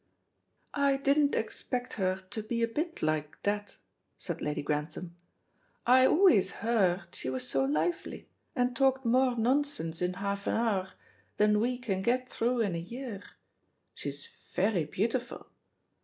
"I didn't expect her to be a bit like that," said Lady Grantham. "I always heard she was so lively, and talked more nonsense in half an hour than we can get through in a year. She's very beautiful."